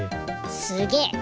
すげえ。